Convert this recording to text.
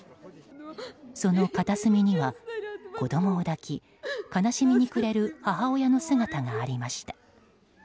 その片隅には子供を抱き悲しみに暮れる母親の姿がありました。